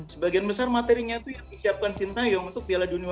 sebagian besar materinya itu yang disiapkan sintayong untuk piala dunia u dua puluh